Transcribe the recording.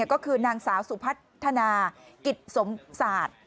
ก็คือนางสาวสุพัฒนากิจสมศาสตร์